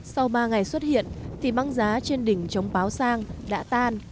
sau ba ngày xuất hiện thì băng giá trên đỉnh trống báo sang đã tan